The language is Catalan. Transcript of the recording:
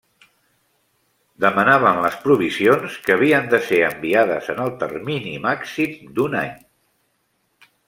Demanaven les provisions que havien de ser enviades en el termini màxim d'un any.